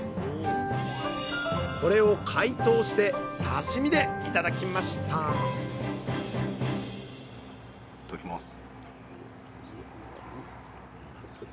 これを解凍して刺身で頂きましたいただきます。